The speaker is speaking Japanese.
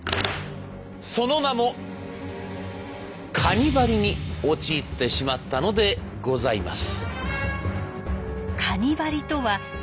その名も「カニバリ」に陥ってしまったのでございます。